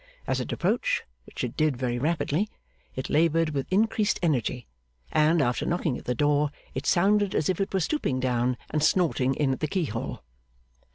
As it approached, which it did very rapidly, it laboured with increased energy; and, after knocking at the door, it sounded as if it were stooping down and snorting in at the keyhole.